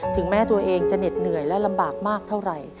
ถึงแม้ตัวเองจะเหน็ดเหนื่อยและลำบากมากเท่าไหร่